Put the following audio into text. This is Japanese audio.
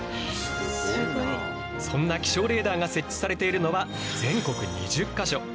そんな気象レーダーが設置されているのは全国２０か所。